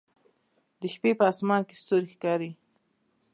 د شپې په اسمان کې ستوري ښکاري